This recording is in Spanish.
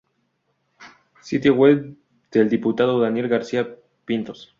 Sitio web del diputado Daniel García Pintos